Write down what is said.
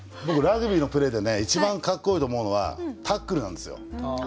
僕ラグビーのプレーで一番かっこいいと思うのはタックルなんですよ。